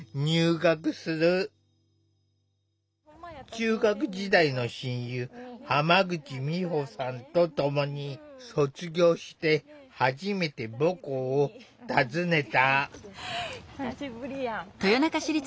中学時代の親友浜口美保さんとともに卒業して初めて母校を訪ねた。